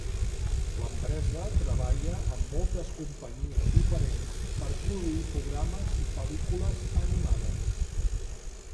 L'empresa treballa amb moltes companyies diferents per produir programes i pel·lícules animades.